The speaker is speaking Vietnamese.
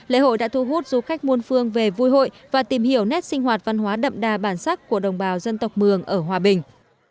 lễ hội đã thu hút du khách muôn phương về vui hội và tìm hiểu nét sinh hoạt văn hóa đậm đà bản sắc của đồng bào dân tộc mường ở hòa bình